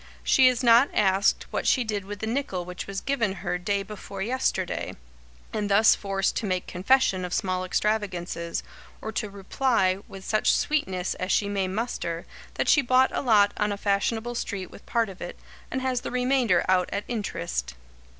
She is not asked what she did with the nickel which was given her day before yesterday, and thus forced to make confession of small extravagances, or to reply, with such sweetness as she may muster, that she bought a lot on a fashionable street with part of it, and has the remainder out at interest.